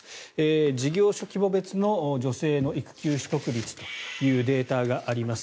事業所規模別の女性の育休取得率というデータがあります。